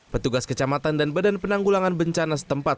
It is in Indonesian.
petugas kecamatan dan badan penanggulangan bencana setempat